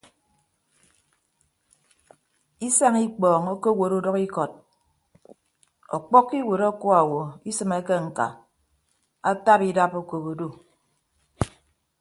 Isañ ikpọọñ okowot udʌkikọt ọkpọkkọ iwuot akuaowo isịmeke ñka ataba idap okop odu.